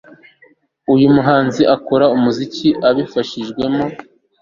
uyu muhanzi akora umuziki abifashijwemo